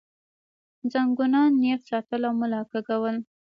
زنګونان نېغ ساتل او ملا کږول